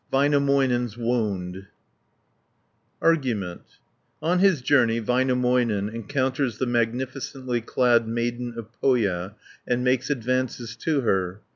VÄINÄMÖINEN'S WOUND Argument On his journey Väinämöinen encounters the magnificently clad Maiden of Pohja, and makes advances to her (1 50).